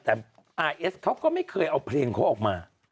แต่อาร์เอสเขาก็ไม่เคยเอาเพลงเขาออกมา